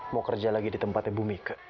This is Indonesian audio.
mau kerja lagi di tempat ibu mika